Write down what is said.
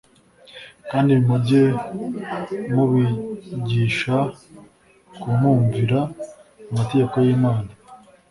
kandi mujye mubigisha kmnvira amategeko y'Imana.